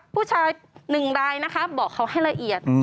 พูดชาย๑ไร้บอกเขาให้ละเอียด